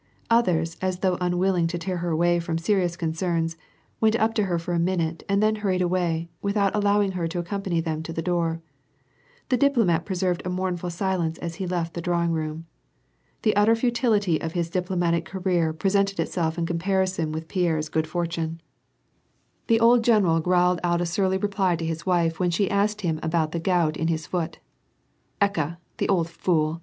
Others, as though unwilling to tear her away from serious concerns, went up to her for a minute and then hur ried away, without allowing lier to accompany them to the door. The dii^lomat preserved a mournful silence as he left the drawing room. The utter futility of his diplomatic career presented itself in comparison with Pierre's good fortune. WAR AND PEACE, 255 The old general growled out a surly reply to his wife when she asked him about the gout in his foot. '^Eka! the old fool!"